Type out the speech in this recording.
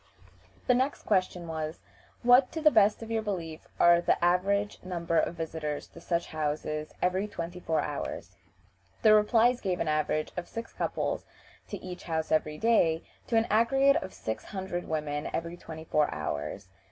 The next question was, "What, to the best of your belief, are the average number of visitors to such houses every twenty four hours?" The replies gave an average of six couples to each house every day, or an aggregate of six hundred women every twenty four hours.